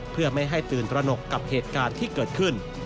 เพื่อไม่ให้ตื่นตระหนกกับเหตุการณ์ที่เกิดขึ้น